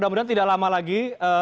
terima kasih banyak lagi